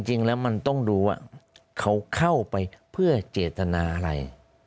จริงแล้วมันต้องดูว่าเขาเข้าไปเพื่อเจตนาอะไร